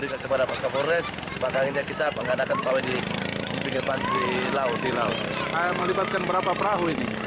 kebores makanya kita mengatakan kalau di pinggir pakai laut di laut melibatkan berapa perahu ini